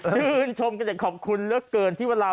ชื่ออนุญาตรับราคาแจ้งขอบคุณเยอะเกินที่เวลา